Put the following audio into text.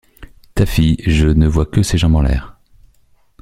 Ta fille, je ne vois que ses jambes en l’air...